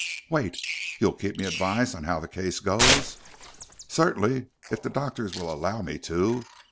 "Wait! You'll keep me advised of how the case goes?" "Certainly, if the doctors will allow me to.